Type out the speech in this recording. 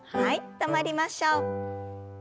止まりましょう。